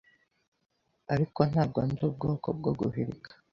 Ariko ntabwo ndi ubwoko bwo guhirika